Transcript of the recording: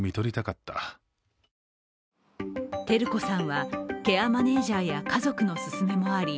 照子さんはケアマネージャーや家族の勧めもあり